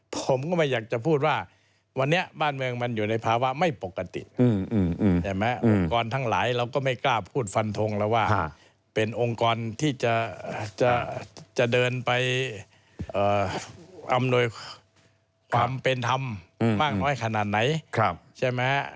ผมก็ไม่อยากจะพูดว่าวันนี้บ้านเมืองมันอยู่ในภาวะไม่ปกติใช่ไหมองค์กรทั้งหลายเราก็ไม่กล้าพูดฟันทงแล้วว่าเป็นองค์กรที่จะเดินไปอำนวยความเป็นธรรมมากน้อยขนาดไหนใช่ไหมฮะ